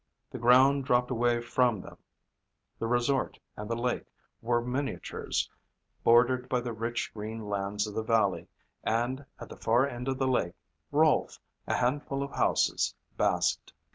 The ground dropped away from them; the resort and the lake were miniatures bordered by the rich, green lands of the valley and at the far end of the lake, Rolfe, a handful of houses, basked.